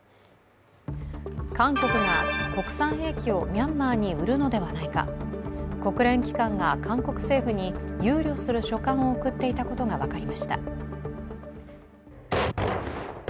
韓国が国産兵器をミャンマーに売るのではないか、国連機関が韓国政府に憂慮する書簡を送っていたことが分かりました。